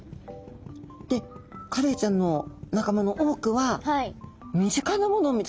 でカレイちゃんの仲間の多くは身近なものを見つけて食べるんですね。